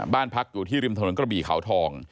บ้านพักอยู่ที่ริมถนนกระบี่เขาทอง